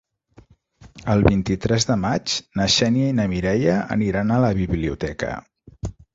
El vint-i-tres de maig na Xènia i na Mireia aniran a la biblioteca.